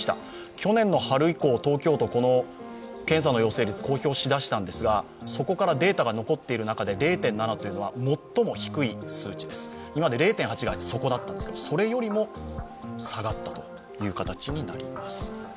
去年の春以降、東京都は検査の陽性率を公表しだしたんですがそこからデータが残っている中で０．７というのは最も低い数値です、今まで０．８が底だったんですがそれよりも下がったという形になります。